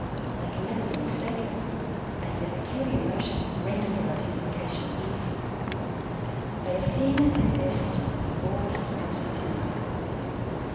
They can never be mistaken, as their peculiar motion renders their identification easy. They are seen at their best in August and September.